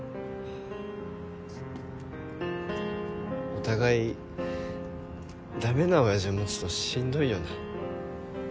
お互い駄目な親父持つとしんどいよな。